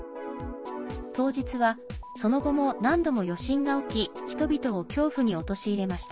当日はその後も何度も余震が起き人々を恐怖に陥れました。